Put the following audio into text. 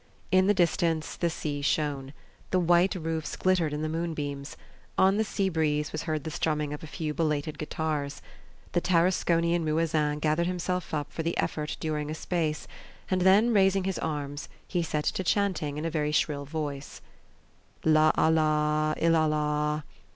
In the distance the sea shone. The white roofs glittered in the moonbeams. On the sea breeze was heard the strumming of a few belated guitars. The Tarasconian muezzin gathered himself up for the effort during a space, and then, raising his arms, he set to chanting in a very shrill voice: "La Allah il Allah!